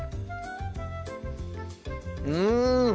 うん！